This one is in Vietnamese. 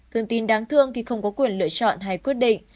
thương tín đáng thương khi không có quyền lựa chọn hay quyết định